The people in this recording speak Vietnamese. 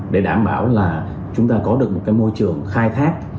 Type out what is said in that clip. để đảm bảo là chúng ta có được một cái môi trường khai thác